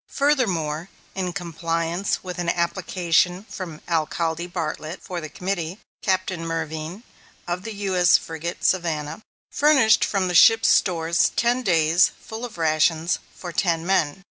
Furthermore, in compliance with an application from Alcalde Bartlett (for the committee), Captain Mervine, of the U.S. frigate Savannah, furnished from the ship's stores ten days' full rations for ten men.